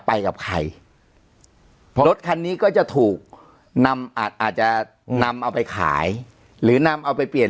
ไปกับใครเพราะรถคันนี้ก็จะถูกนำอาจจะนำเอาไปขายหรือนำเอาไปเปลี่ยน